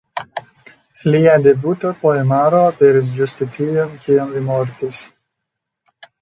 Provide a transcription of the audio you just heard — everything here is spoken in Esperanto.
Lia debuta poemaro aperis ĝuste tiam, kiam li mortis.